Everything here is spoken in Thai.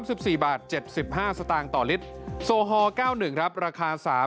โทษภาพชาวนี้ก็จะได้ราคาใหม่